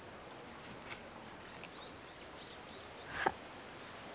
あっ。